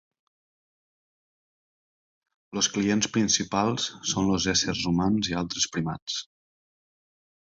Els clients principals són els éssers humans i altres primats.